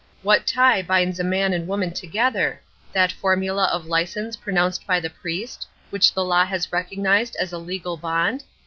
What tie binds a man and woman together that formula of license pronounced by the priest, which the law has recognized as a 'legal bond'?